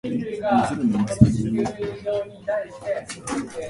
Most, but not all, are rather plain.